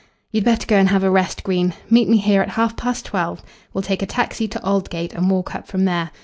"You'd better go and have a rest, Green. Meet me here at half past twelve. We'll take a taxi to Aldgate and walk up from there.